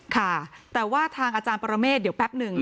ค่ะแต่ว่าทางอาจารย์ปรเมฆเดี๋ยวแป๊บหนึ่ง